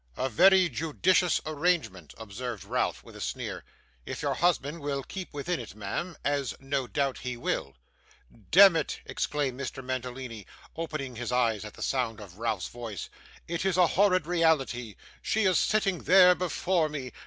'A very judicious arrangement,' observed Ralph with a sneer, 'if your husband will keep within it, ma'am as no doubt he will.' 'Demmit!' exclaimed Mr. Mantalini, opening his eyes at the sound of Ralph's voice, 'it is a horrid reality. She is sitting there before me.